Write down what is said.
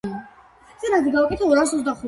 რომელი გვაქვს ყველაზე მეტი?